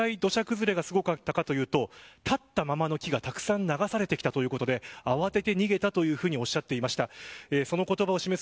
どれくらい土砂崩れがすごかったかというと立ったままの木がたくさん流されてきたということで、慌てて逃げたとおっしゃっていました。